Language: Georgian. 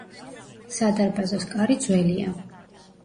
სადარბაზოს კარი ძველია.